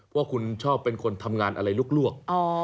ว่าคุณชอบเป็นคนทำงานอะไรลวก